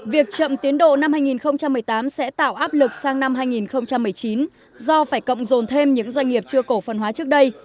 việc chậm tiến độ năm hai nghìn một mươi tám sẽ tạo áp lực sang năm hai nghìn một mươi chín do phải cộng dồn thêm những doanh nghiệp chưa cổ phần hóa trước đây